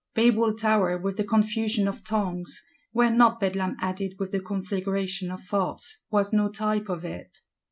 Babel Tower, with the confusion of tongues, were not Bedlam added with the conflagration of thoughts, was no type of it.